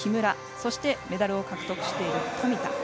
そしてメダルを獲得している富田。